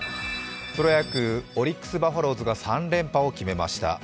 プロ野球・オリックス・バファローズが３連覇を決めました。